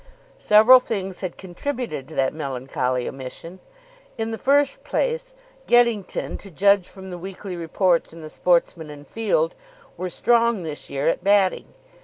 Several things had contributed to that melancholy omission. In the first place, Geddington, to judge from the weekly reports in the Sportsman and Field, were strong this year at batting.